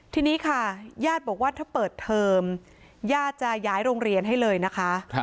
ทีนี้ค่ะญาติบอกว่าถ้าเปิดเทอมญาติจะย้ายโรงเรียนให้เลยนะคะ